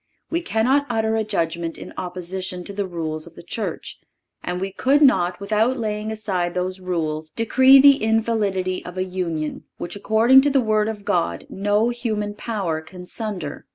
We cannot utter a judgment in opposition to the rules of the Church, and we could not, without laying aside those rules, decree the invalidity of a union which, according to the Word of God, no human power can sunder."